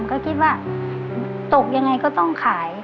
ก็คิดว่าตกยังไงก็ต้องขาย